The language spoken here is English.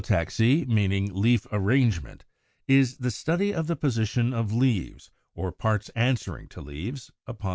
=Phyllotaxy=, meaning leaf arrangement, is the study of the position of leaves, or parts answering to leaves, upon the stem.